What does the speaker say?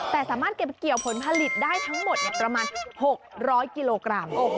แต่สามารถเก็บเกี่ยวผลผลิตได้ทั้งหมดประมาณ๖๐๐กิโลกรัม